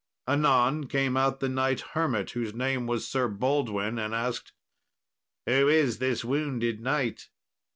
Anon came out the knight hermit, whose name was Sir Baldwin, and asked, "Who is this wounded knight?"